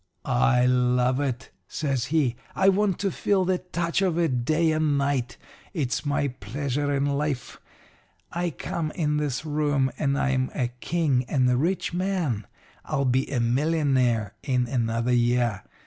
"'I love it,' says he. 'I want to feel the touch of it day and night. It's my pleasure in life. I come in this room, and I'm a king and a rich man. I'll be a millionaire in another year.